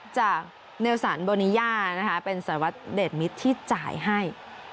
จากเนลสันโบเนียะเป็นสวรรค์เดทมิดที่จ่ายให้